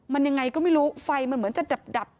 มันยังไงก็ไม่รู้ไฟมันเหมือนจะดับ